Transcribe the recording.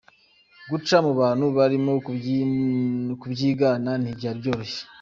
Guca mu bantu barimo kubyigana ntibyari byoroshye.